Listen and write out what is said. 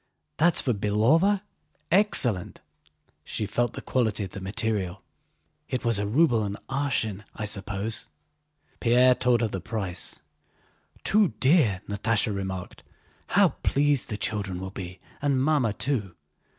"That's for Belóva? Excellent!" She felt the quality of the material. "It was a ruble an arshin, I suppose?" Pierre told her the price. "Too dear!" Natásha remarked. "How pleased the children will be and Mamma too!